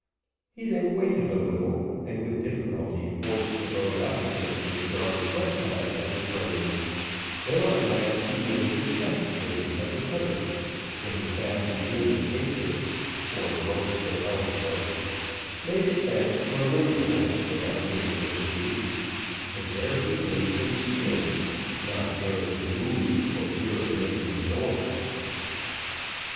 He then waited a little, and with difficulty forced the boat up against the strong flood tide that was running, till at last he gained the chesstree of the cutter, when he shortened in the painter (or rope that held the boat), made it fast to a ringbolt without being perceived, and there he lay concealed, not daring to move, for fear of making a noise.